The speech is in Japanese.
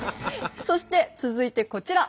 そして続いてこちら。